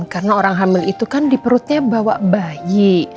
karena orang hamil itu kan di perutnya bawa bayi